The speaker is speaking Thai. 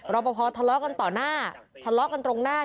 รอปภทะเลาะกันต่อหน้าทะเลาะกันตรงหน้า